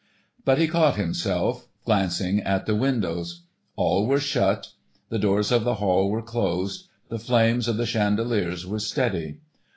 But he caught himself glancing at the windows. All were shut. The doors of the hall were closed, the flames of the chandeliers were steady.